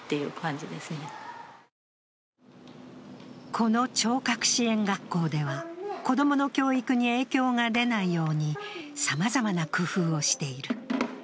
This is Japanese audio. この聴覚支援学校では、子供の教育に影響が出ないようにさまざまな工夫をしている。